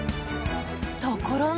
ところが。